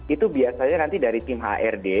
itu biasanya nanti dari tim hrd